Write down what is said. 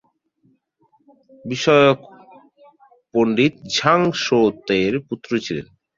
ন্যি-মা-'বুম র্ন্যিং-মা ধর্মসম্প্রদায়ের বি-মা-স্ন্যিং-থিগ বিষয়ক পণ্ডিত ঝাং-স্তোন-ব্ক্রা-শিস-র্দো-র্জের পুত্র ছিলেন।